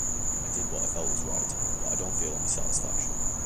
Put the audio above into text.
I did what I felt was right, but I don't feel any satisfaction.